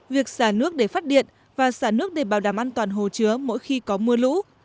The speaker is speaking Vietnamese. việc xả nước để phát điện và xả nước để bảo đảm an toàn hồ chứa mỗi khi có mưa lũ